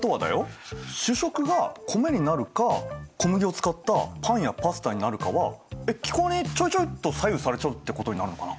主食が米になるか小麦を使ったパンやパスタになるかは気候にちょいちょいっと左右されちゃうってことになるのかな？